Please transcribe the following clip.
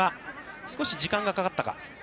少し時間がかかったか。